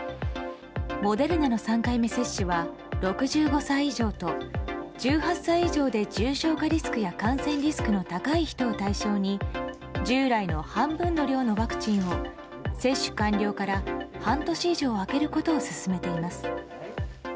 モデルナの３回目接種は６５歳以上と１８歳以上で重症化リスクや感染リスクの高い人を対象に従来の半分の量のワクチンを接種完了から半年以上空けることを勧めています。